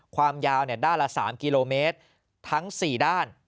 ความยาวด้านละ๓กิโลเมตรทั้ง๔ด้าน